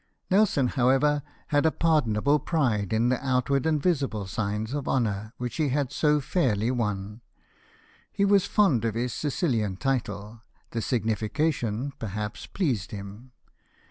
Nelson, however, had a pardonable pride in the outward and visible signs of honour which he had so fairly won ; he was fond of his Sicilian title, the signification, perhaps, pleased him.